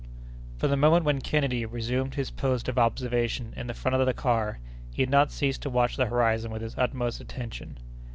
From the moment when Kennedy resumed his post of observation in the front of the car, he had not ceased to watch the horizon with his utmost attention.